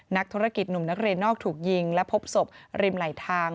นักธุรกิจหนุ่มนักเรียนนอกถูกยิงและพบศพริมไหลทาง